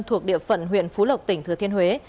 thuộc địa phận huyện phú lộc tỉnh thừa thiên huế